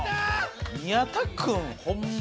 宮田君ホンマ